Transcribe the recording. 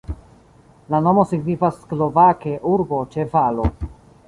La nomo signifas slovake urbo ĉe valo.